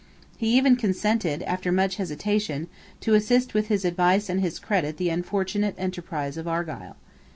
He even consented, after much hesitation, to assist with his advice and his credit the unfortunate enterprise of Argyle.